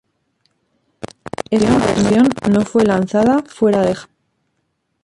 Esta versión no fue lanzada fuera de Japón.